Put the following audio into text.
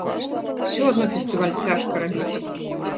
Усё адно фестываль цяжка рабіць.